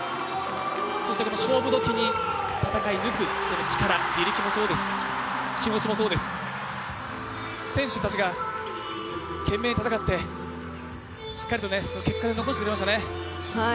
勝負時に戦い抜く力、地力もそうです、気持ちもそうです、選手たちが懸命に戦ってしっかりと結果を残してくれましたね。